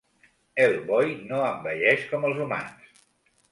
Hellboy no envelleix com els humans.